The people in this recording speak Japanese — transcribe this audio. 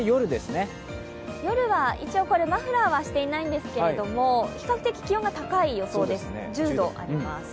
夜は一応、マフラーはしていないんですけれども、比較的、気温が高い予想です、１０度あります。